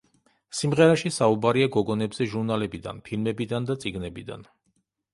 სიმღერაში საუბარია გოგონებზე ჟურნალებიდან, ფილმებიდან და წიგნებიდან.